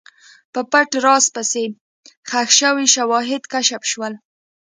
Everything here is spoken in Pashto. په پټ راز پسې، ښخ شوي شواهد کشف شول.